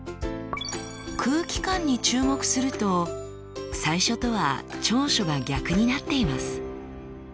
空気感に注目すると最初とは長所が逆になっています。